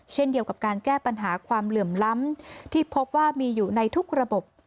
เช่นเดียวกับการแก้ปัญหาความเหลื่อมล้ำที่พบว่ามีอยู่ในทุกระบบ